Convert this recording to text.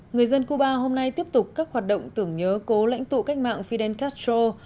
người dân cuba hôm nay tiếp tục các hoạt động tưởng nhớ cố lãnh tụ cách mạng fidel castro